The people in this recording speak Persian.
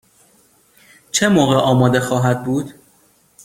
چه موقع آماده خواهد بود؟